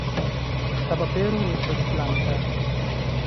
La papero restas blanka.